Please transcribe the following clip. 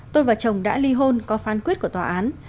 tôi và chồng đã ly hôn có phán quyết của tòa án